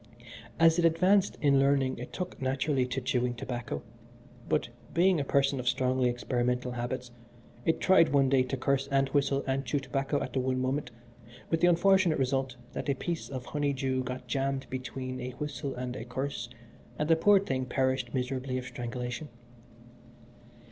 As it advanced in learning it took naturally to chewing tobacco, but, being a person of strongly experimental habits, it tried one day to curse and whistle and chew tobacco at the one moment, with the unfortunate result that a piece of honeydew got jammed between a whistle and a curse, and the poor thing perished miserably of strangulation.